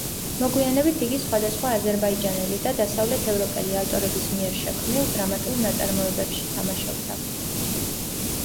მოგვიანებით იგი სხვადასხვა აზერბაიჯანელი და დასავლეთ ევროპელი ავტორების მიერ შექმნილ დრამატულ ნაწარმოებებში თამაშობდა.